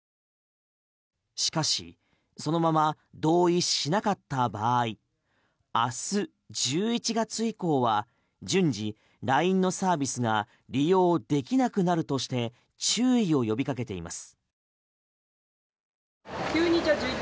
しかしそのまま同意しなかった場合明日１１月以降は順次、ＬＩＮＥのサービスが利用できなくなるとして注意を呼びかけています。